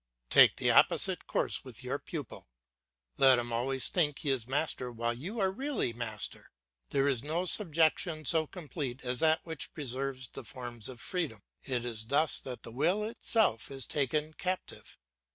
Take the opposite course with your pupil; let him always think he is master while you are really master. There is no subjection so complete as that which preserves the forms of freedom; it is thus that the will itself is taken captive.